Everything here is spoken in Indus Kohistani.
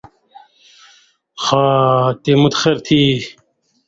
میں مُت زائ گولہ ہیُو نی رِن٘گیۡ تُھو